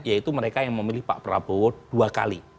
yaitu mereka yang memilih pak prabowo dua kali